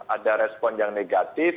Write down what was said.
ada respon yang negatif